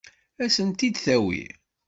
Ad sen-t-id-tawi?